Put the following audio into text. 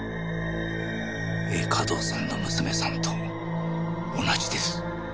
栄華堂さんの娘さんと同じです。